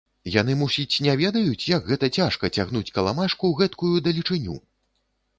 Яны, мусіць, не ведаюць, як гэта цяжка цягнуць каламажку гэткую далечыню?